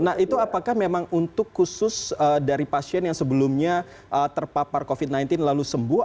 nah itu apakah memang untuk khusus dari pasien yang sebelumnya terpapar covid sembilan belas lalu sembuh